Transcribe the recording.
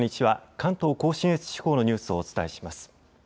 関東甲信越地方のニュースをお伝えします。